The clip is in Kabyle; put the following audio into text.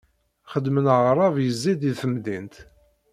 Xedmen aɣrab yezzi-d i temdint.